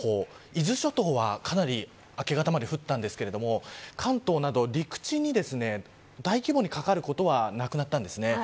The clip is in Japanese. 伊豆諸島はかなり明け方まで降ったんですが関東など陸地に大規模にかかることはなくなったんです。